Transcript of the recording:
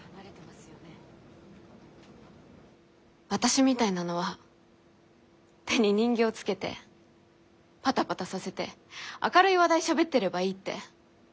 私みたいなのは手に人形つけてパタパタさせて明るい話題しゃべってればいいって。